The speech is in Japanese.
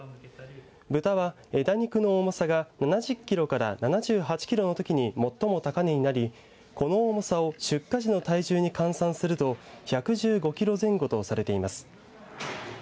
豚は枝肉の重さが７０キロから７８キロのときに最も高値になり、この重さを出荷時の体重に換算すると１１５キロ前後とされています。